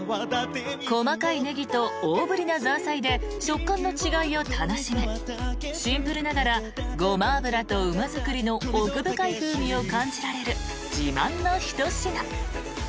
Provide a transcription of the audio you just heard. ［細かいネギと大ぶりなザーサイで食感の違いを楽しめシンプルながらごま油とうま造りの奥深い風味を感じられる自慢の一品］